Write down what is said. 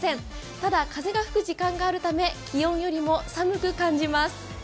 ただ、風が吹く時間があるため気温よりも寒く感じます。